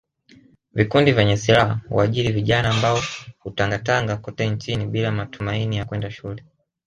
Vikundi vyenye silaha huajiri vijana ambao hutangatanga kote nchini bila matumaini ya kwenda shule